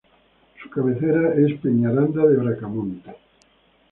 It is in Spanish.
Su cabecera es Peñaranda de Bracamonte.